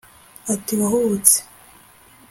ati wahubutse